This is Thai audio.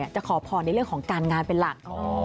จะขอพรในเรื่องของการงานเป็นหลัก